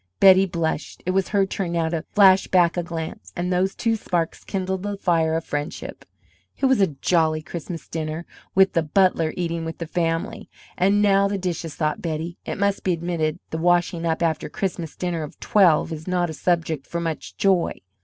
Betty blushed. It was her turn now to flash back a glance; and those two sparks kindled the fire of friendship. It was a jolly Christmas dinner, with the "butler" eating with the family. "And now the dishes!" thought Betty. It must be admitted the "washing up" after a Christmas dinner of twelve is not a subject for much joy.